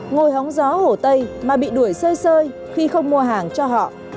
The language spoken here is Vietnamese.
ngồi hóng gió hồ tây mà bị đuổi sơi sơi khi không mua hàng cho họ